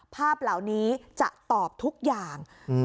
ภาพเหล่านี้จะตอบทุกอย่าง